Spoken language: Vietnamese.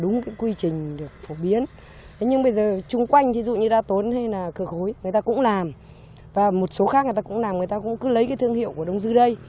người ta cũng làm và một số khác người ta cũng làm người ta cũng cứ lấy cái thương hiệu của đông dư đây